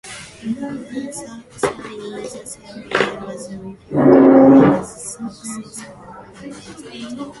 Thales' theory was refuted by his successor and esteemed pupil, Anaximander.